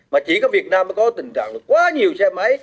mà chỉ có việt nam mới có tình trạng là quá nhiều xe máy